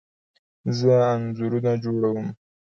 زه انځورونه جوړه وم